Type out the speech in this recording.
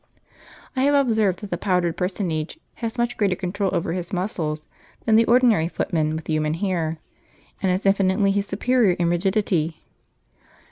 I have observed that the powdered personage has much greater control over his muscles than the ordinary footman with human hair, and is infinitely his superior in rigidity.